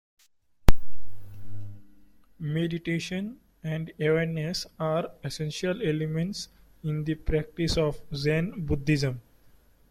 Meditation and awareness are essential elements in the practice of Zen Buddhism